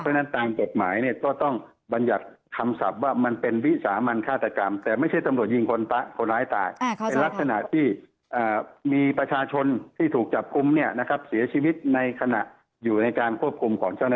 เพราะฉะนั้นตามกฎหมายเนี่ยก็ต้องบรรยัติคำศัพท์ว่ามันเป็นวิสามันฆาตกรรม